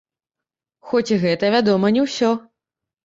Хоць і гэта, вядома, не ўсё.